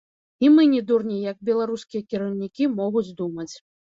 І мы не дурні, як беларускія кіраўнікі могуць думаць.